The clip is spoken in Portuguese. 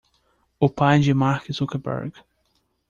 O pai de Mark Zuckerberg.